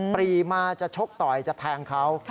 ปรีมาจะชกต่อยจะแทงเขา